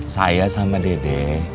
saya sama dedek